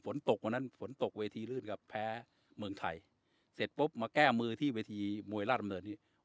วันนั้นฝนตกเวทีลื่นกับแพ้เมืองไทยเสร็จปุ๊บมาแก้มือที่เวทีมวยราชดำเนินนี้